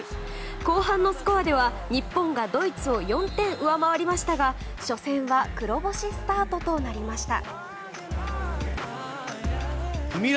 後半のスコアでは日本がドイツを４点上回りましたが初戦は黒星スタートとなりました。